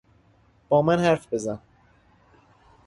با من حرف بزن!